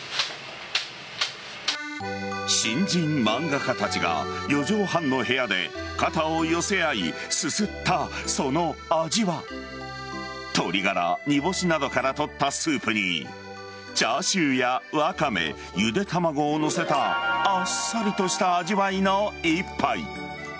新人漫画家たちが四畳半の部屋で肩を寄せ合い、すすったその味は鶏がら、煮干しなどからとったスープにチャーシューやワカメゆで卵を載せたあっさりとした味わいの一杯。